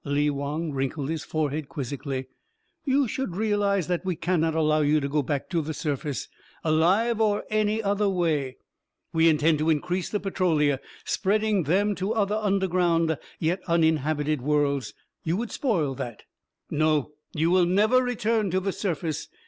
Lee Wong wrinkled his forehead quizzically. "You should realize that we cannot allow you to go back to the surface alive, or any other way. We intend to increase the Petrolia, spreading them to other underground, yet uninhabited worlds. You would spoil that. "No, you will never return to the surface.